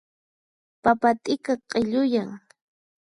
Papa t'ika q'illuyan.